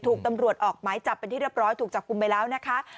ถูกตำรวจออกหมายจับเป็นที่เรียบร้อยถูกจับกลุ่มไปแล้วนะคะ